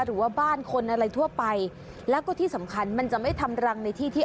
หรือว่าบ้านคนอะไรทั่วไปแล้วก็ที่สำคัญมันจะไม่ทำรังในที่ที่